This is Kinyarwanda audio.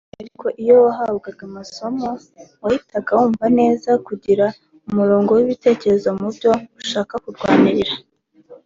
ariko iyo wahabwaga amasomo wahitaga wumva neza kugira umurongo w’ibitekerezo mu byo ushaka kurwanira